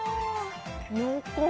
濃厚。